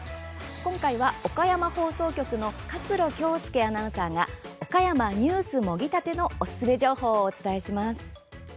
今回は、岡山放送局の勝呂恭佑アナウンサーが「岡山ニュースもぎたて！」のおすすめ情報をお伝えします。